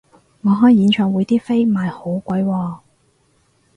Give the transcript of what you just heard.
我開演唱會啲飛賣好貴喎